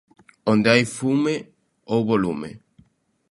Onde hai fume, houbo lume.